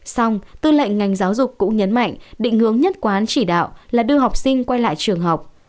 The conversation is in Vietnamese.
xong tư lệnh ngành giáo dục cũng nhấn mạnh định hướng nhất quán chỉ đạo là đưa học sinh quay lại trường học